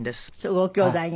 ごきょうだいが。